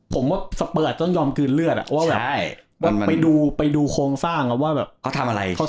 ผมว่าสเปอร์ต้องยอมกลืนเลือดว่าแบบไปดูโครงสร้างครับว่าแบบเขาทำอะไร